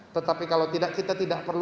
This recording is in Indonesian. tetapi kalau tidak kita tetap akan berjuang